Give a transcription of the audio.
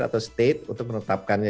negara bagian atau state untuk menetapkannya